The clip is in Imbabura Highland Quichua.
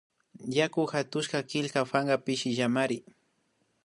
Yaku hatushka killka pankaka pishillamari